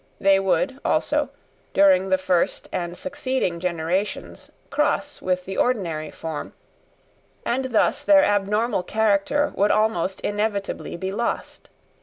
They would, also, during the first and succeeding generations cross with the ordinary form, and thus their abnormal character would almost inevitably be lost.